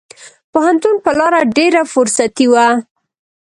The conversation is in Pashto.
پوهنتون په لار ډېره فرصتي وه.